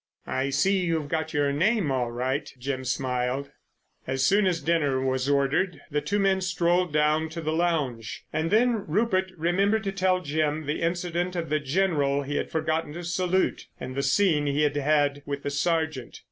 "I see you've got your name all right." Jim smiled. As soon as dinner was ordered the two men strolled down to the lounge, and then Rupert remembered to tell Jim the incident of the General he had forgotten to salute, and the scene he had had with the sergeant.